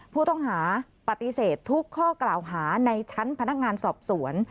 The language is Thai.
ผู้ต้องหาปฏิเสธทุกข้อกล่าวหาในชั้นพนักงานสอบสวน